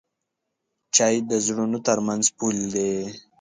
چای د زړونو ترمنځ پل دی.